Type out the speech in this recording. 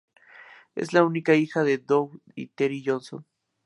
Es la única hija de Doug y Teri Johnson.